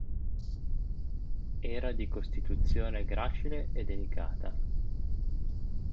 Era di costituzione gracile e delicata.